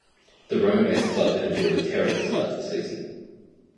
The Rome-based club had endured a terrible start to the season.